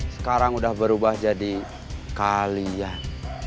sekarang udah berubah jadi kalian